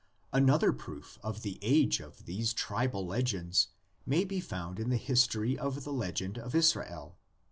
Another proof of the age of these tribal legends may be found in the history of the legend in Israel.